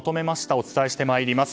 お伝えしてまいります。